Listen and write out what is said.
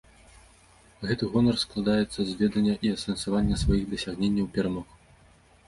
Гэты гонар складаецца з ведання і асэнсавання сваіх дасягненняў і перамог.